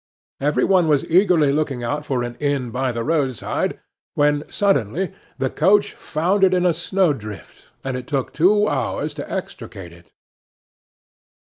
Every one was eagerly looking out for an inn by the roadside, when, suddenly, the coach foundered in a snowdrift, and it took two hours to extricate it.